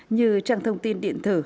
như trang thông tin điện thử